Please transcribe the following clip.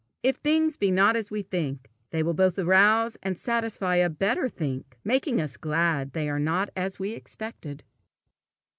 If things be not as we think, they will both arouse and satisfy a better think, making us glad they are not as we expected.